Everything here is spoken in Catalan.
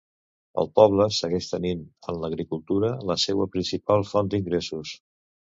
El poble segueix tenint en l'agricultura la seua principal font d'ingressos.